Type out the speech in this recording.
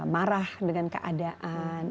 marah dengan keadaan